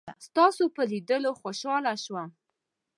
ستاسو په لیدلو خوشحاله شوم.